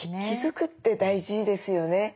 気付くって大事ですよね。